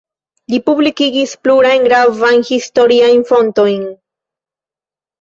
Li publikigis plurajn gravajn historiajn fontojn.